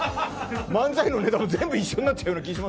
漫才のネタも一緒になっちゃう気が。